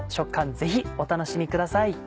ぜひお楽しみください。